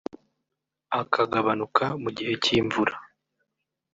akagabanuka mu gihe cy’imvura